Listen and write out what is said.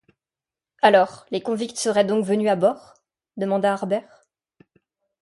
Alors, les convicts seraient donc venus à bord? demanda Harbert.